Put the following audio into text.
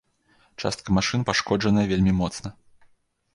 Частка машын пашкоджаная вельмі моцна.